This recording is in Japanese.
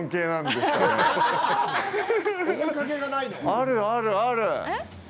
ある、ある、ある！